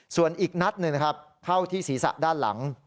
ส่วนอีกนัดหนึ่งนะครับเข้าที่ศีรษะด้านหลัง